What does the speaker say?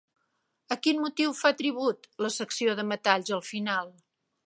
A quin motiu fa tribut la secció de metalls al final?